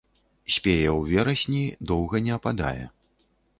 Спее ў верасні, доўга не ападае.